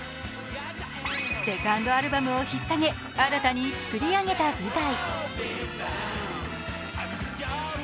セカンドアルバムをひっさげ、新たに作り上げた舞台。